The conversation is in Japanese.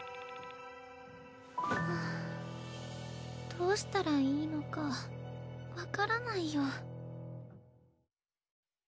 どうしたらいいのか分からないよ。